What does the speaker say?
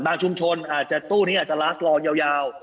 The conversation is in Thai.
บางชุมชนตู้นี้อาจจะรัสรองยาว